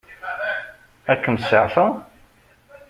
Ad kem-seɛfeɣ?